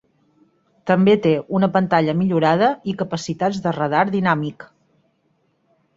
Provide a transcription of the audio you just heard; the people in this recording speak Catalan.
També té una pantalla millorada i capacitats de radar dinàmic.